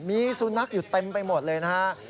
มีสุนัขอยู่เต็มไปหมดเลยนะฮะ